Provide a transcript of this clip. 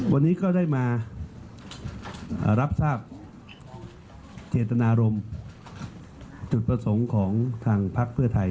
วันนี้ก็ได้มารับทราบเจตนารมณ์จุดประสงค์ของทางพักเพื่อไทย